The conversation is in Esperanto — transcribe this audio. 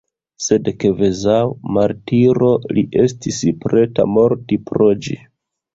Sed kvazaŭ martiro li estis preta morti pro ĝi.